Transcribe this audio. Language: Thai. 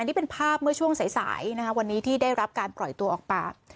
นี่เป็นภาพเมื่อช่วงสายวันนี้ที่ได้รับการปล่อยตัวออกปาก